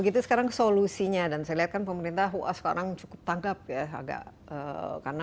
gitu sekarang solusinya dan saya lihat kan pemerintah wah sekarang cukup tangkap ya agak karena